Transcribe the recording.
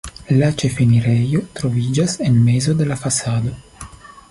La ĉefenirejo troviĝas en mezo de la fasado.